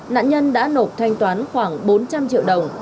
nạn nhân đã nộp thanh toán khoảng bốn trăm linh triệu đồng